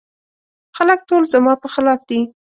خلګ ټول زما په خلاف دي.